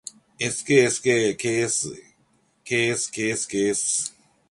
skskksksksks